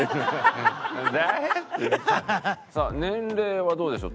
さあ年齢はどうでしょう？